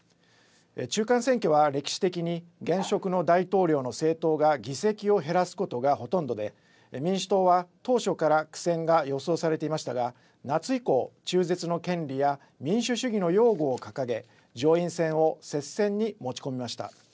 中間選挙は歴史的に現職の大統領の政党が議席を減らすことがほとんどで民主党は当初から苦戦が予想されていましたが夏以降、中絶の権利や民主主義の擁護を掲げ、上院選を接戦に持ち込みました。